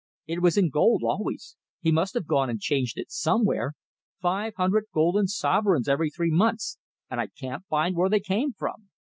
It was in gold always; he must have gone and changed it somewhere five hundred golden sovereigns every three months, and I can't find where they came from!"